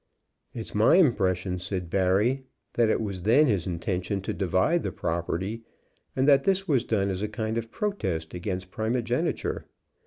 "It's my impression," said Barry, "that it was then his intention to divide the property, and that this was done as a kind of protest against primogeniture.